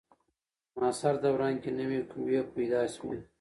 په معاصر دوران کي نوي قوې پیدا سوې.